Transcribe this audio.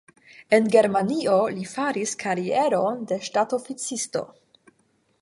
En Germanio li faris karieron de ŝtatoficisto.